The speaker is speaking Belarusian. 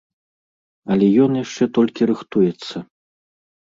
Але ён яшчэ толькі рыхтуецца.